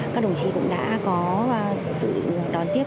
các đồng chí cũng đã có sự đón tiếp